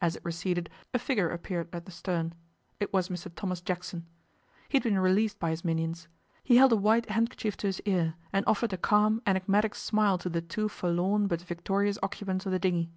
As it receded a figure appeared at the stem. It was Mr Thomas Jackson. He had been released by his minions. He held a white handkerchief to his ear, and offered a calm, enigmatic smile to the two forlorn but victorious occupants of the dinghy.